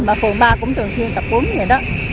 bà phùng ba cũng thường xuyên tập quấn vậy đó